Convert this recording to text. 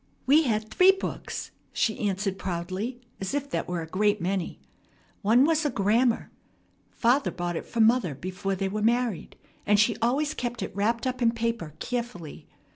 "We had three books!" she answered proudly, as if that were a great many. "One was a grammar. Father bought it for mother before they were married, and she always kept it wrapped up in paper carefully.